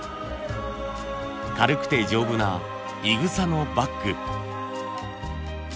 軽くて丈夫ないぐさのバッグ。